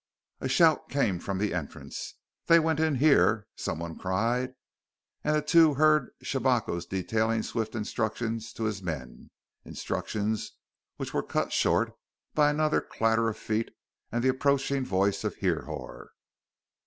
A shout came from the entrance. "They went in here!" someone cried, and the two heard Shabako detailing swift instructions to his men instructions which were cut short by another clatter of feet and the approaching voice of Hrihor.